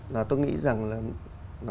là tôi nghĩ rằng là